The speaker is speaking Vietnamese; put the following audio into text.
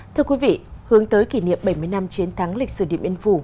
thưa quý vị hướng tới kỷ niệm bảy mươi năm chiến thắng lịch sử điện biên phủ